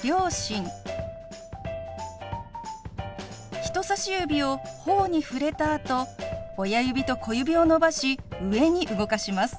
人さし指をほおに触れたあと親指と小指を伸ばし上に動かします。